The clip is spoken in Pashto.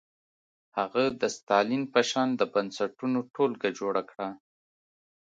هغه د ستالین په شان د بنسټونو ټولګه جوړه کړه.